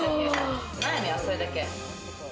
悩みはそれだけ。